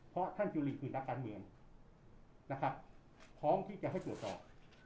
เพราะท่านจุลินคือนักการเมืองนะครับพร้อมที่จะให้ตรวจสอบ